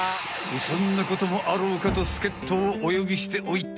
そんなこともあろうかとすけっとをお呼びしておいた。